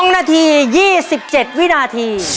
๒นาที๒๗วินาที